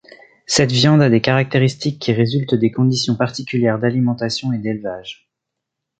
Cette viande a des caractéristiques qui résultent des conditions particulières d'alimentation et d'élevage.